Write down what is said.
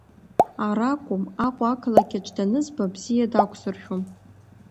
Ара акәым, Аҟәа, ақалақь аҿы данызба, бзиа дақәсыршәом!